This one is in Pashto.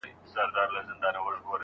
انا غوښتل چې د خپل زړه درد کم کړي.